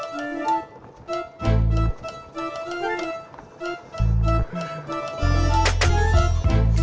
pak padan dulu ya